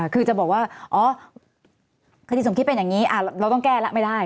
คือจะบอกว่าอ๋อคดีสมคิดเป็นอย่างนี้เราต้องแก้แล้วไม่ได้